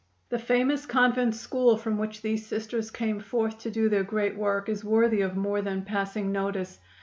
The famous convent school from which these Sisters came forth to do their great work is worthy of more than passing notice.